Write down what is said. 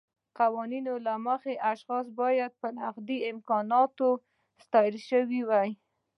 قوانینو له مخې اشخاص باید په نغدي مکافاتو ستایل شوي وای.